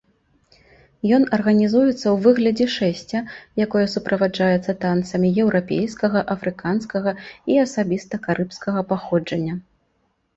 Ён арганізуецца ў выглядзе шэсця, якое суправаджаецца танцамі еўрапейскага, афрыканскага і асабіста карыбскага паходжання.